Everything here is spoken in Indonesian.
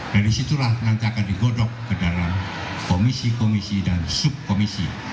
dari situlah nanti akan digodok ke dalam komisi komisi dan subkomisi